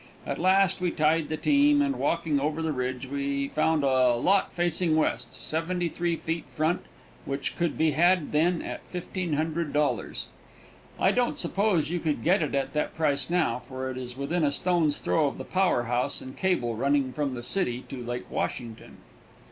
At last we tied the team, and, walking over the ridge, we found a lot facing west, seventy three feet front, which could be had then at $1,500. I don't suppose you could get it at that price now, for it is within a stone's throw of the power house and cable running from the city to Lake Washington.